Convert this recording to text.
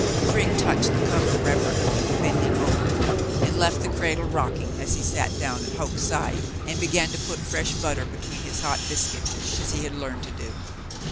Tliryng touched the cover reverently, bending over it, and left the cradle rocking as he sat down at Hoke's side and began to put fresh butter between his hot biscuit, as he had learned to do.